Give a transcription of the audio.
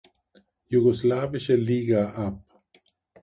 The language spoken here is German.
Jugoslawische Liga ab.